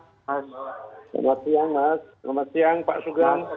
selamat siang mas selamat siang pak sugeng